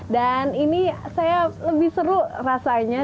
dan ini saya lebih seru rasanya